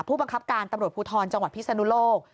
ผู้บังคับการตำรวจภูทรจังหวัดพิศนุโลก